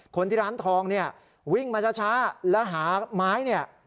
คนที่ร้านทองเนี่ยวิ่งมาช้าแล้วหาไม้เนี่ย